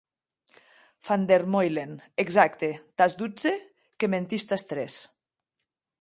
Van der Meulen, exacte, tàs dotze, que mentís tàs tres.